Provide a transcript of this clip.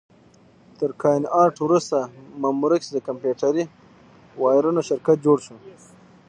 تر کاین ارټ وروسته مموریکس د کمپیوټري وایرونو شرکت جوړ شو.